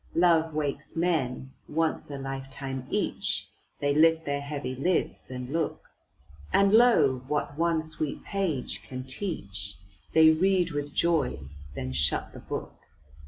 Love wakes men, once a lifetime each; They lift their heavy lids, and look; And, lo, what one sweet page can teach, They read with joy, then shut the book.